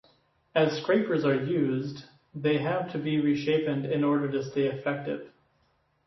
As scrapers are used they have to be resharpened in order to stay effective.